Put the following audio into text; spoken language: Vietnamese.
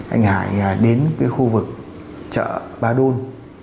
anh hải đến khu vực chợ ba đôn